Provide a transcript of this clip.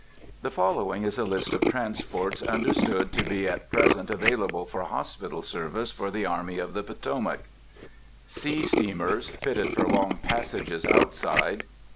_ The following is a list of Transports understood to be at present available for hospital service for the Army of the Potomac:— _Sea Steamers, fitted for long passages outside.